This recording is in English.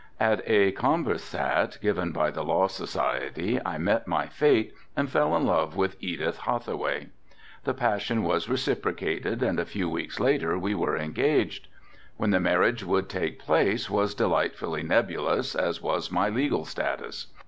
At a conversat, given by the Law Society, I met my fate and fell in love with Edith Hauthaway. The passion was reciprocated and a few weeks later we were engaged. When the marriage would take place was delightfully nebulous as was my legal status.